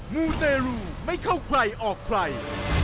มูเตรูไม่เข้าใครออกใคร